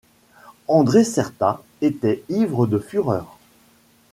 André Certa était ivre de fureur.